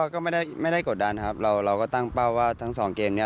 ก็ไม่ได้กดดันครับเราก็ตั้งเป้าว่าทั้งสองเกมนี้